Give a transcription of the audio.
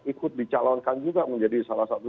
ikut dicalonkan juga menjadi salah satu